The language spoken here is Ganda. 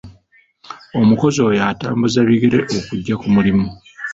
Omukozi oyo atambuza bigere okujja ku mulimu.